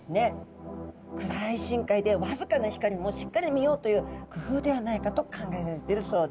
暗い深海で僅かな光もしっかり見ようという工夫ではないかと考えられているそうです。